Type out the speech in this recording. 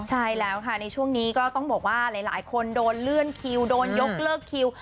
ใช่แล้วค่ะในช่วงนี้ก็ต้องบอกว่าหลายคนโดนเลื่อนคิวโดนยกเลิกคิว